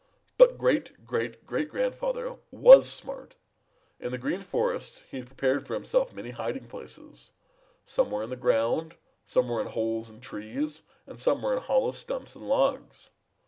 But great great great grandfather was smart. In the Green Forest he had prepared for himself many hiding places. Some were in the ground, some were in holes in trees, and some were in hollow stumps and logs.